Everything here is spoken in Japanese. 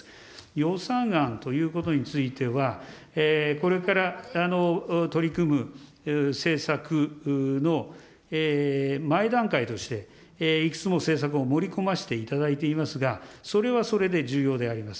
予算案ということについては、これから取り組む政策の前段階として、いくつも政策を盛り込ませていただいていますが、それはそれで重要であります。